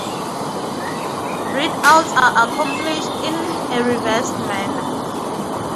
Read-outs are accomplished in a reverse manner.